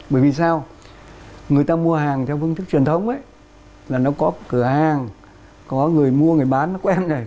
bởi vì sao người ta mua hàng theo phương thức truyền thống ấy là nó có cửa hàng có người mua người bán nó quen này